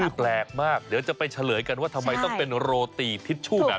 คือแปลกมากเดี๋ยวจะไปเฉลยกันว่าทำไมต้องเป็นโรตีทิชชู่แบบ